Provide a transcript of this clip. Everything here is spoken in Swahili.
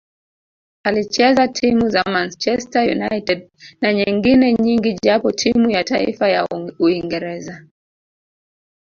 Alicheza timu za Manchester United na nyengine nyingi japo timu ya taifa ya Uingereza